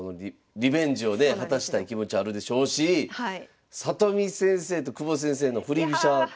果たしたい気持ちあるでしょうし里見先生と久保先生の振り飛車対決。